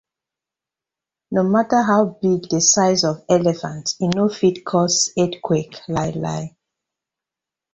No matta how big di size of elephant, e no fit cause earthquake lai la.